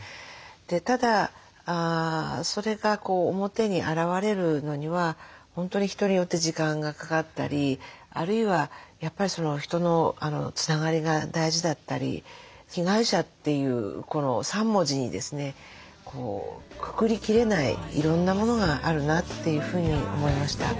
ただそれが表に表れるのには本当に人によって時間がかかったりあるいはやっぱり人のつながりが大事だったり「被害者」というこの３文字にですねくくりきれないいろんなものがあるなというふうに思いました。